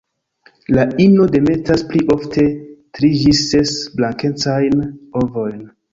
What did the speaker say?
La ino demetas pli ofte tri ĝis ses blankecajn ovojn.